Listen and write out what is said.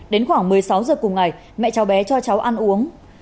đến khoảng một mươi sáu giờ cùng ngày mẹ cháu bé cho cháu ăn uống